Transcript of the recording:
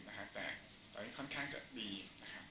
แต่ตอนนี้ค่อนข้างจะดีนะครับ